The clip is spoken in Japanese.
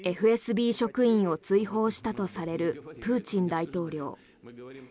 職員を追放したとされるプーチン大統領。